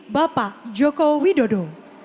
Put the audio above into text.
bapak joko widodo